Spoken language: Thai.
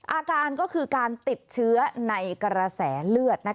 อาการก็คือการติดเชื้อในกระแสเลือด